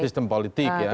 sistem politik ya